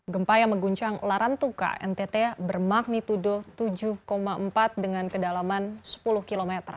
gempa yang mengguncang larantuka ntt bermagnitudo tujuh empat dengan kedalaman sepuluh km